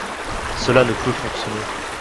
Cela ne peut fonctionner.